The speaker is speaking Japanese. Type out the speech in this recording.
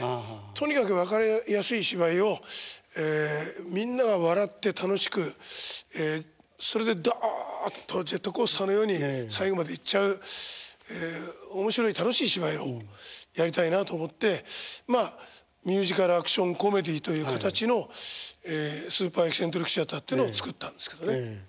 とにかく分かりやすい芝居をみんなが笑って楽しくそれでドッとジェットコースターのように最後まで行っちゃう面白い楽しい芝居をやりたいなと思ってミュージカルアクションコメディーという形のスーパー・エキセントリック・シアターっていうのを作ったんですけどね。